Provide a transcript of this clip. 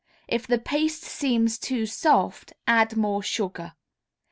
If the paste seems too soft, add more sugar.